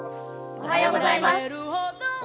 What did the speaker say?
おはようございます。